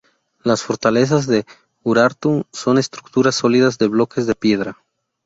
Las fortalezas de Urartu son estructuras sólidas de bloques de piedra.